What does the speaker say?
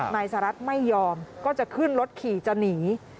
นายสหรัฐไม่ยอมก็จะขึ้นรถขี่จะหนี